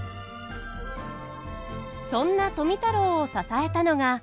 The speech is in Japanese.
そんな富太郎を支えたのが。